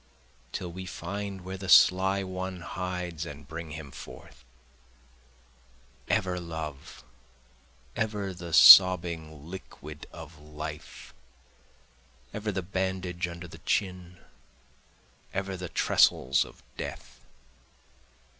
till we find where the sly one hides and bring him forth, Ever love, ever the sobbing liquid of life, Ever the bandage under the chin, ever the trestles of death.